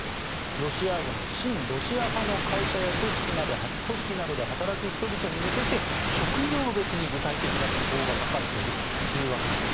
ロシア軍親ロシア派の会社や組織などで働く人々に向けて職業別に具体的な手法が書かれているというわけです。